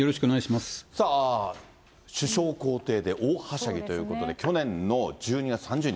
さあ、首相公邸で大はしゃぎということで、去年の１２月３０日。